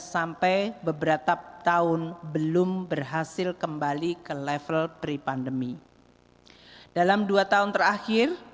sampai beberapa tahun belum berhasil kembali ke level pre pandemi dalam dua tahun terakhir